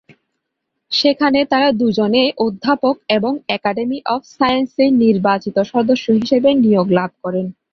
সেখানে তারা দুজনেই অধ্যাপক এবং একাডেমি অফ সায়েন্সেসের নির্বাচিত সদস্য হিসেবে নিয়োগ লাভ করেন।